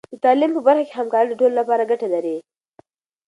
د تعلیم په برخه کې همکاري د ټولو لپاره ګټه لري.